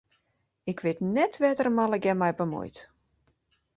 Ik wit net wêr't er him allegearre mei bemuoit.